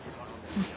うん。